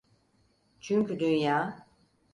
Çünkü dünya…